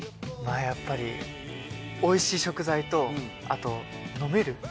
やっぱり美味しい食材とあと飲める。